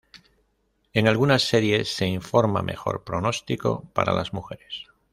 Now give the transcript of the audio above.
En algunas series se informa mejor pronóstico para las mujeres.